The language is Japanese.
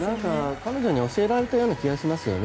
彼女に教えられた気がしますね。